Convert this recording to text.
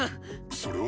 それは。